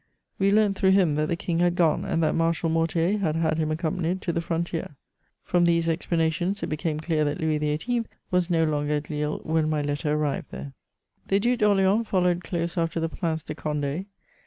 We learnt through him that the King had gone and that Marshal Mortier had had him accompanied to the frontier. From these explanations it became clear that Louis XVIII. was no longer at Lille when my letter arrived there. The Duc d'Orléans followed close after the Prince de Condé.